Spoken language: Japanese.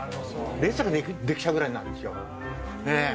列が出来ちゃうぐらいなんですよ。